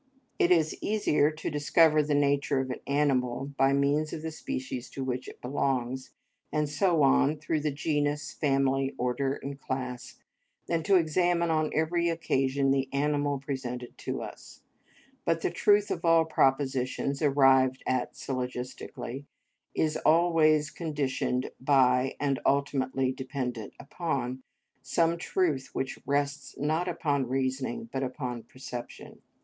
It is easier to discover the nature of an animal, by means of the species to which it belongs, and so on through the genus, family, order, and class, than to examine on every occasion the animal presented to us: but the truth of all propositions arrived at syllogistically is always conditioned by and ultimately dependent upon some truth which rests not upon reasoning but upon perception.